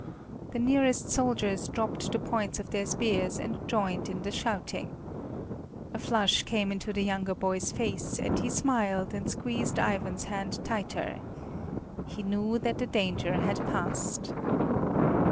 The nearest soldiers dropped the points of their spears and joined in the shouting. A flush came into the younger boy's face and he smiled, and squeezed Ivan's hand tighter. He knew that the danger had passed.